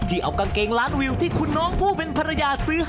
เอากางเกงล้านวิวที่คุณน้องผู้เป็นภรรยาซื้อให้